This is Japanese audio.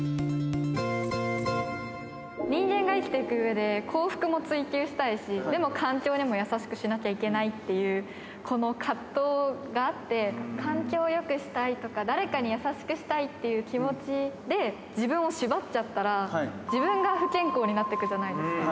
人間が生きていくうえで、光復も追求したいし、でも環境にも優しくしなきゃいけないっていう、この葛藤があって、環境をよくしたいとか、誰かに優しくしたいっていう気持ちで、自分を縛っちゃったら、自分が不健康になってくじゃないですか。